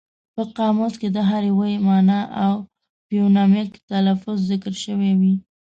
په قاموس کې د هر ویي مانا او فونیمک تلفظ ذکر شوی وي.